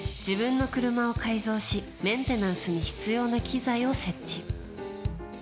自分の車を改造しメンテナンスに必要な機材を設置。